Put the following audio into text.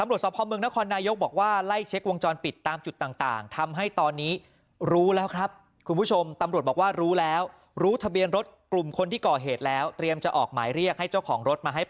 แล้วก็เพราะมันมาหลายครั้ง